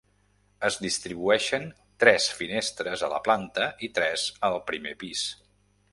Es distribueixen tres finestres a la planta i tres al primer pis.